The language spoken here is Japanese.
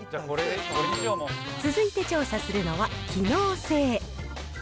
続いて調査するのは機能性。